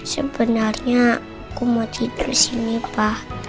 sebenarnya aku mau tidur sini pak